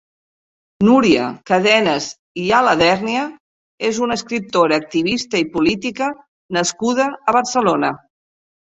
Núria Cadenes i Alabèrnia és una escriptora, activista i política nascuda a Barcelona.